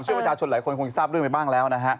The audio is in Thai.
ช่วยประชาชนหลายคนคงที่ทราบเรื่องไว้บ้างแล้วนะฮะ